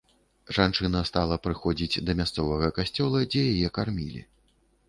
Жанчына стала прыходзіць да мясцовага касцёла, дзе яе кармілі.